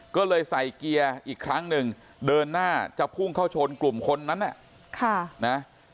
ก็เลยใส่เกียร์อีกครั้งหนึ่งเดินหน้าจะพุ่งเข้าชนกลุ่มคนนั้นน่ะค่ะนะ